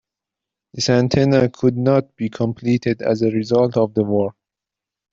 This antenna could not be completed as a result of the war.